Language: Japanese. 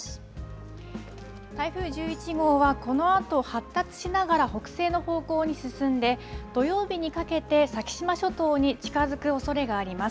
台風１１号はこのあと発達しながら北西の方向に進んで土曜日にかけて先島諸島に近づくおそれがあります。